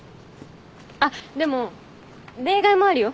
あっでも例外もあるよ。